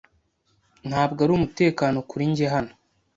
Ntabwo ari umutekano kuri njye hano.